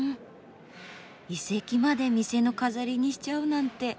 遺跡まで店の飾りにしちゃうなんて。